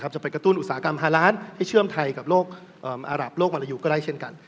จะไปกระตุ้นอุตสาหกรรมฮาล้านให้เชื่อมไทยกับโลกมรยูก็ได้เช่นกัน